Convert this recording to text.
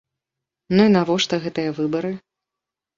Ну і навошта гэтыя выбары?